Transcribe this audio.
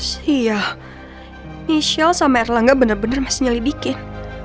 sial michelle sama erlangga bener bener masih nyelidikin